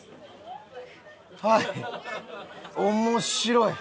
はい面白い！